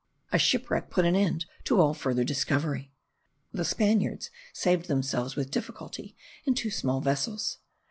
a shipwreck put an end to all farther discovery. The Spaniards saved themselves with difficulty in two small vessels.